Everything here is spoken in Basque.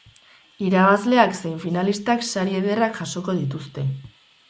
Irabazleak zein finalistak sari ederrak jasoko dituzte.